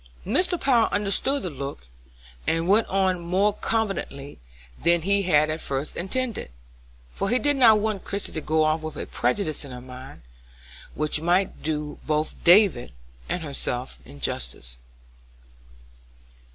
Mr. Power understood the look, and went on more confidentially than he had at first intended, for he did not want Christie to go off with a prejudice in her mind which might do both David and herself injustice.